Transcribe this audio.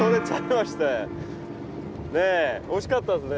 ねぇ惜しかったですね。